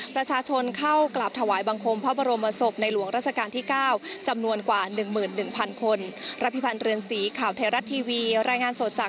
ประชาชนเข้ากราบถวายบังคมพระบรมศพในหลวงราชการที่๙จำนวนกว่า๑๑๐๐คน